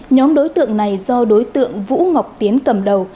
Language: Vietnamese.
nhóm đối tượng này do đối tượng vũ ngọc tiến cầm đầu